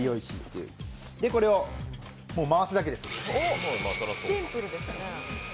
それで、これを回すだけです。